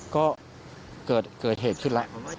ก็เกิดเหตุขึ้นแล้ว